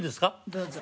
どうぞ。